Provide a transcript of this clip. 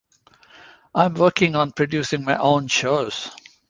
I'm working on producing my own shows.